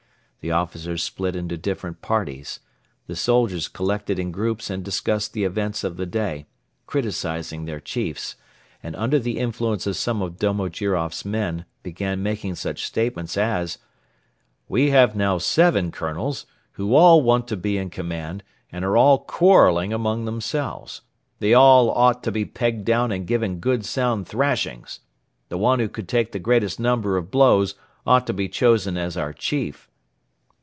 The officers split into different parties; the soldiers collected in groups and discussed the events of the day, criticising their chiefs, and under the influence of some of Domojiroff's men began making such statements as: "We have now seven Colonels, who all want to be in command and are all quarreling among themselves. They all ought to be pegged down and given good sound thrashings. The one who could take the greatest number of blows ought to be chosen as our chief."